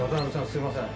すいません